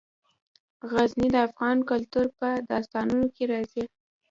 غزني د افغان کلتور په داستانونو کې راځي.